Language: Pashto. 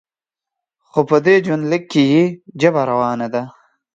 خو په دې ژوندلیک کې یې ژبه روانه ده.